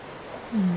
うん。